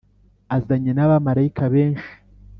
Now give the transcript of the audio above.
Azanye n’ abamarayika benshi